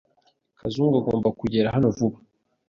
Kazungu agomba kugera hano vuba.